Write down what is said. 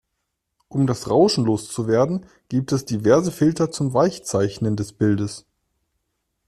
Um das Rauschen loszuwerden gibt es diverse Filter zum Weichzeichnen des Bildes.